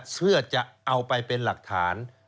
เพื่อจะเอาไปเป็นหลักฐาน